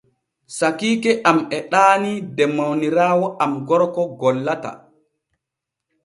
Sakiike am e ɗaanii de mawniraawo am gorko gollata.